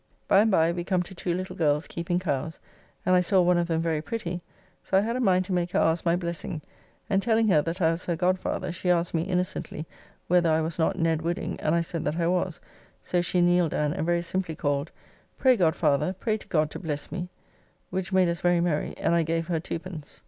By and by we come to two little girls keeping cows, and I saw one of them very pretty, so I had a mind to make her ask my blessing, and telling her that I was her godfather, she asked me innocently whether I was not Ned Wooding, and I said that I was, so she kneeled down and very simply called, "Pray, godfather, pray to God to bless me," which made us very merry, and I gave her twopence.